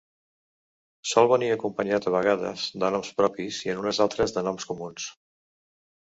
Sol venir acompanyat a vegades de noms propis i en unes altres de noms comuns.